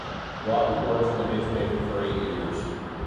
Broughton worked for the newspaper for eight years.